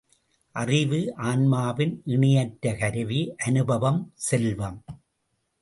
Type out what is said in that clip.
அறிவு ஆன்மாவின் இணையற்ற கருவி, அனுபவம், செல்வம்.